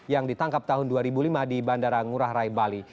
yang ditangkap tahun dua ribu lima di bandara ngurah rai bali